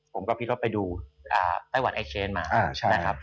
ผมก็คิดว่าไปดูไต้หวันไอเคนมา